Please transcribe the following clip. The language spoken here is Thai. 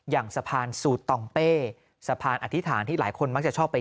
อย่างสะพานสูตองเป้สะพานอธิษฐานที่หลายคนมักจะชอบไป